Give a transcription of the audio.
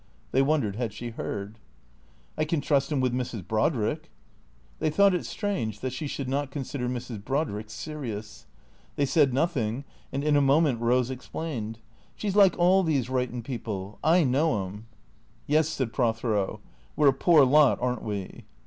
(They wondered had she heard?) " I can trust him with Mrs. Brodrick." (They thought it strange that she should not consider Mrs. Brodrick serious. They said nothing, and in a moment Rose explained.) " She 's like all these writin' people. / know 'em." "Yes," said Prothero. "We're a poor lot, aren't we?"